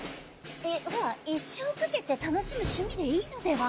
ほら一生かけて楽しむ趣味でいいのでは？